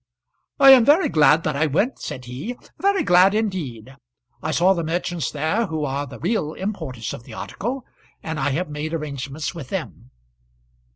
"I am very glad that I went," said he, "very glad indeed. I saw the merchants there who are the real importers of the article, and I have made arrangements with them."